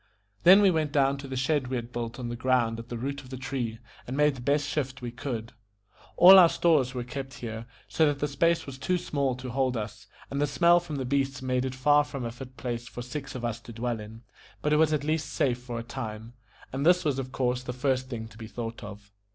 Then we went down to the shed we had built on the ground at the root of the tree, and made the best shift we could. All our stores were kept here, so that the space was too small to hold us, and the smell from the beasts made it far from a fit place for six of us to dwell in; but it was at least safe for a time, and this was of course the first thing to be thought of.